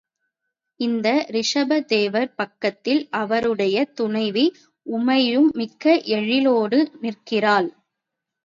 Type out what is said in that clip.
இந்த ரிஷப தேவர் பக்கத்தில் அவருடைய துணைவி உமையும் மிக்க எழிலோடு நிற்கிறாள்.